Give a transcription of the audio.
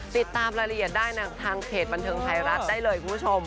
ติดตามรายละเอียดได้ทางเพจบันเทิงไทยรัฐได้เลยคุณผู้ชม